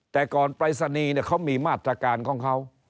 แต่ก่อนปรายศนีย์เขามีมาตรการของเขา